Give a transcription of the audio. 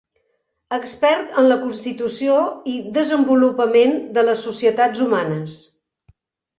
Expert en la constitució i desenvolupament de les societats humanes.